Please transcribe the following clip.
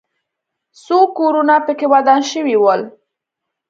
څو کورونه پکې ودان شوي ول.